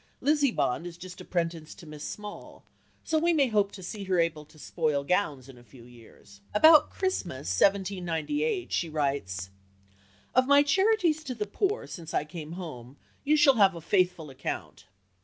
Lizzie Bond is just apprenticed to Miss Small, so we may hope to see her able to spoil gowns in a few years." About Christmas (1798) she writes "Of my charities to the poor since I came home you shall have a faithful account.